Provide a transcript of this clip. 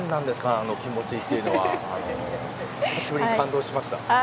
あの気持ちというのは久しぶりに感動しました。